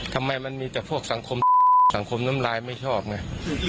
ทำไมมันมีแต่พวกสังคมสังคมน้ำลายไม่ชอบไง